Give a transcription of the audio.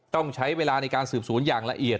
ต้องใช้เวลาในการสืบสวนอย่างละเอียด